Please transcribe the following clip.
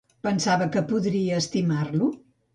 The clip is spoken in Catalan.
Pensava que podria estimar-lo?